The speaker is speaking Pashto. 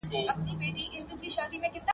اګوست کنت وايي ټولنيز علوم قوانين لري.